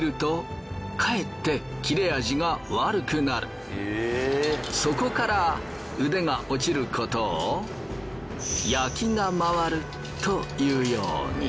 このそこから腕が落ちることを焼きが回るというように。